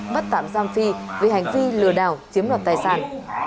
bắt tạm giam phi vì hành vi lừa đảo chiếm luật tài sản